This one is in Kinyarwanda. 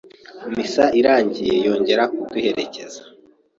misa irangiye yongera kuduherekeza